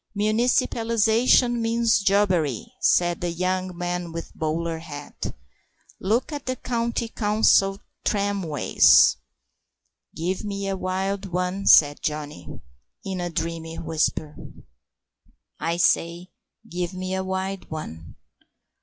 "Municipalisation means jobbery," said the young man with the bowler hat; "look at the County Council tramways." "Give me a wild one," said Johnny, in a dreamy whisper; "I say, give me a wild one."